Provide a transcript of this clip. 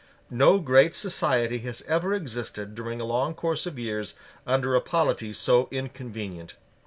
No great society has ever existed during a long course of years under a polity so inconvenient.